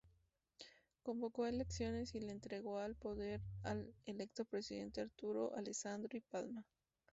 Convocó a elecciones y le entregó al poder al electo presidente Arturo Alessandri Palma.